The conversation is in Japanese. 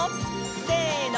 せの！